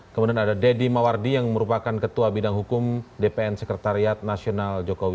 kemudian ada deddy mawardi yang merupakan ketua bidang hukum dpn sekretariat nasional jokowi